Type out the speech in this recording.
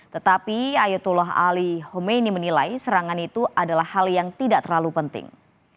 tetapi ayatullah ali homeni menilai serangan itu adalah hal yang tidak terlalu penting